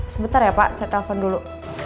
sebentar ya pak saya telpon dulu